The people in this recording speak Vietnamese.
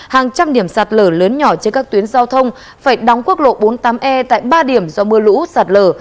hàng trăm điểm sạt lở lớn nhỏ trên các tuyến giao thông phải đóng quốc lộ bốn mươi tám e tại ba điểm do mưa lũ sạt lở